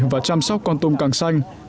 và chăm sóc con tôm càng xanh